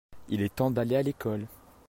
il est temps d'aller à l'école.